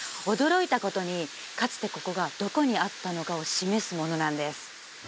驚いたことにかつてここがどこにあったのかを示すものなんです